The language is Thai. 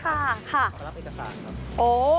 เขารับเอกสารครับ